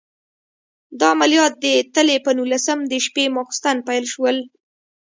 دا عملیات د تلې په نولسم د شپې ماخوستن پیل شول.